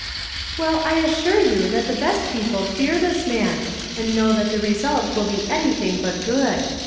"Well, I assure you that the best j)eople fear this man, and know that the result will be any thing but good.